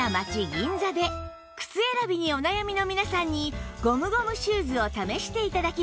銀座で靴選びにお悩みの皆さんにゴムゴムシューズを試して頂きました